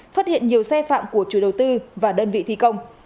phát hiện nhiều xe phạm của chủ đầu tư và đơn vị thi công